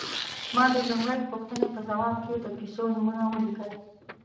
ما د لومړۍ پوښتنې په ځواب کې د کیسو نومونه ولیکل.